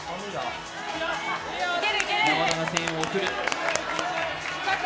山田が声援を送る。